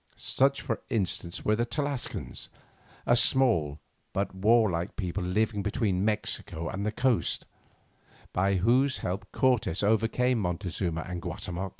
Such for instance were the Tlascalans, a small but warlike people living between Mexico and the coast, by whose help Cortes overcame Montezuma and Guatemoc.